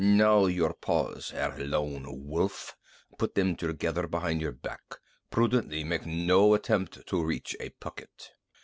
"Now your paws, Herr Lone Wolf put them together behind your back, prudently making no attempt to reach a pocket."